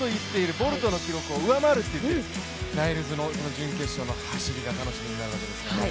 ボルトの記録を上回ると言ってる、ライルズの準決勝の走りが楽しみになりますね。